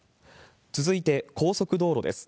続いて、高速道路です。